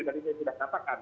tadi saya sudah katakan